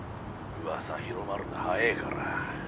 噂広まるの早ぇからな。